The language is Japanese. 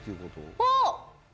あっ！